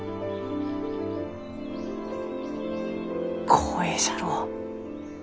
光栄じゃろう？